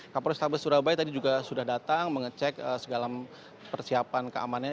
kapolri stafir surabaya tadi juga sudah datang mengecek segala persiapan keamannya